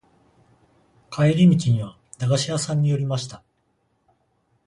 帰り道には駄菓子屋さんに寄りました。